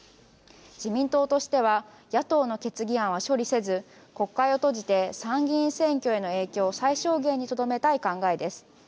自民党としては野党の決議案は処理せず国会を閉じて参議院選挙への影響を最小限にとどめたい考えです。